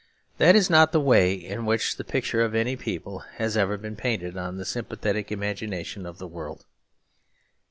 That is not the way in which the picture of any people has ever been painted on the sympathetic imagination of the world.